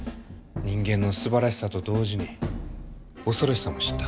人間のすばらしさと同時に恐ろしさも知った。